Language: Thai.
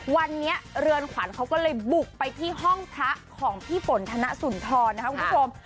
วันนี้เรือนขวัญเขาก็เลยบุกไปที่ห้องพระของพี่ฝนธนสุนทรนะครับคุณผู้ชม